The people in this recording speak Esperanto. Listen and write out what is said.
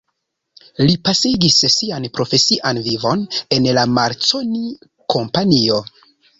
Li pasigis sian profesian vivon en la Marconi Kompanio.